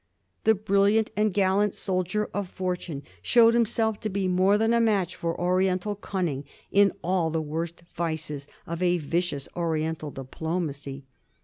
The brilliant and gallant soldier of fort une showed himself to be more than a match for Oriental cunning in all the worst vices of a vicious Oriental diplo macy.